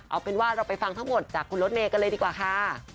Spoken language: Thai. เอาเป็นว่าเราไปฟังทั้งหมดจากคุณรถเมย์กันเลยดีกว่าค่ะ